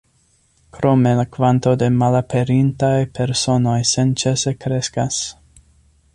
Krome la kvanto de malaperintaj personoj senĉese kreskas.